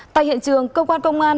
tại hiện trường công an công an